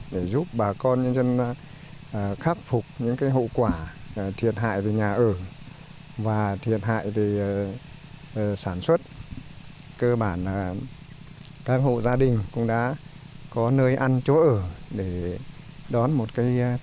để giúp bà con nhân dân khắc phục